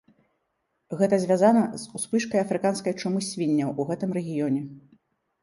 Гэта звязана з успышкай афрыканскай чумы свінняў у гэтым рэгіёне.